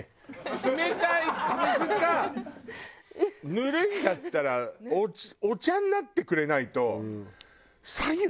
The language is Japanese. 冷たい水かぬるいんだったらお茶になってくれないと。